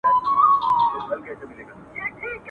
ویل ځه مخته دي ښه سلا مُلاجانه.